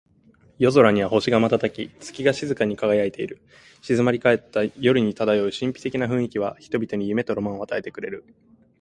夜空には星が瞬き、月が静かに輝いている。静まり返った夜に漂う神秘的な雰囲気は、人々に夢とロマンを与えてくれる。